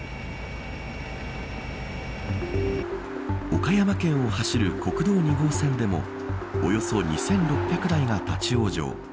岡山県を走る国道２号線でもおよそ２６００台が立ち往生。